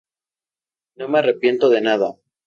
No me arrepiento de nada.